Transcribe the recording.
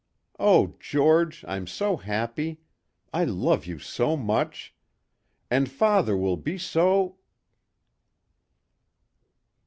Oh George! I'm so happy.... I love you so much. And father will be so...."